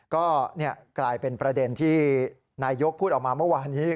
ก็กลายเป็นประเด็นที่นายยกพูดออกมาเมื่อวานนี้